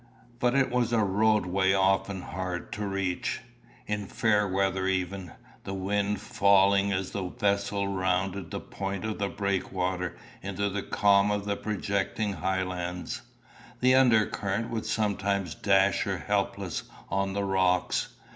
But it was a roadway often hard to reach. In fair weather even, the wind falling as the vessel rounded the point of the breakwater into the calm of the projecting headlands, the under current would sometimes dash her helpless on the rocks.